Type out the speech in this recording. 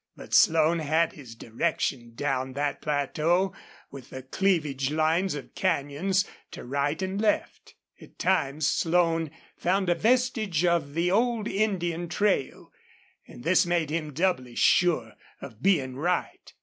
But Slone had his direction down that plateau with the cleavage lines of canyons to right and left. At times Slone found a vestige of the old Indian trail, and this made him doubly sure of being right.